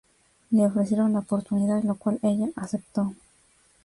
Le ofrecieron la oportunidad, lo cual ella aceptó.